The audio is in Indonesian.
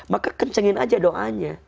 maka kencengin aja doanya